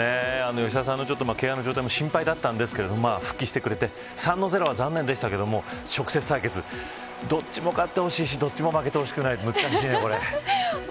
吉田さんのけがの状態が心配だったんですけど復帰してくれて３の０は残念でしたが直接対決、どっちも勝ってほしいしどっちも負けてほしくない。